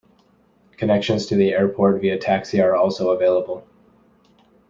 Connections to the airport via taxi are also available.